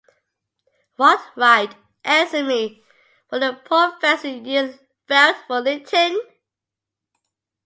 What right — answer me — for the poor fancy you felt for Linton?